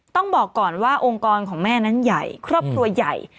ต้องบอกก่อนว่าองค์กรของแม่นั้นใหญ่ครอบครัวใหญ่